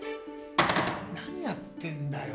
何やってんだよ